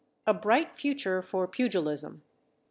A Bright Future for Pugilism.